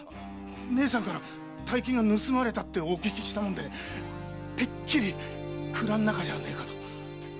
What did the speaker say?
ねえさんから大金が盗まれたとお聞きしたんでてっきり蔵の中じゃないかと！